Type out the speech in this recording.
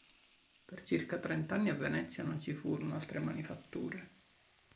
Per circa trent'anni a Venezia non ci furono altre manifatture.